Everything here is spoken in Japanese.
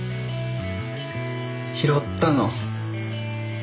拾ったの。